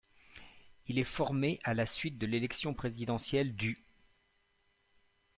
Il est formé à la suite de l'élection présidentielle du.